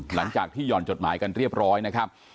หลังจากที่หย่อนจดหมายกันเรียบร้อยนะครับ